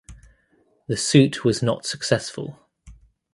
The suit was not successful.